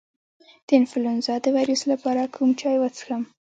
د انفلونزا د ویروس لپاره کوم چای وڅښم؟